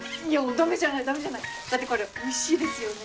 いやダメじゃないだってこれおいしいですよね。